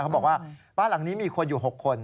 บ้านหลังนี้มีคนอยู่๖คน